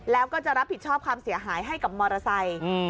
แล้วก็จะรับผิดชอบความเสียหายให้กับมอเตอร์ไซค์